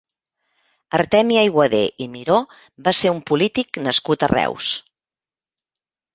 Artemi Aiguader i Miró va ser un polític nascut a Reus.